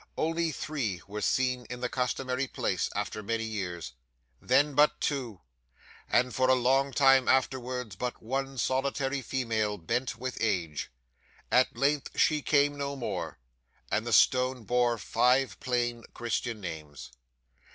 Only three were seen in the customary place, after many years; then but two, and, for a long time afterwards, but one solitary female bent with age. At length she came no more, and the stone bore five plain Christian names.